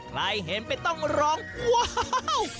ใครเห็นไปต้องร้องว้าว